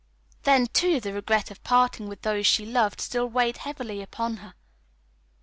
Then, too, the regret of parting with those she loved still weighed heavily upon her.